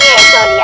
ih jauh dia